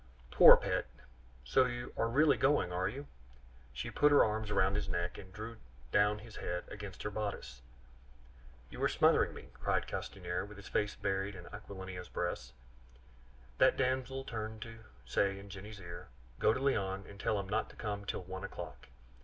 "Poor pet! so you are really going, are you?" she said. She put her arms round his neck, and drew down his head against her bodice. "You are smothering me!" cried Castanier, with his face buried in Aquilina's breast. That damsel turned to say in Jenny's ear, "Go to Léon, and tell him not to come till one o'clock.